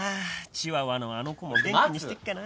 チワワのあの子も元気にしてっかな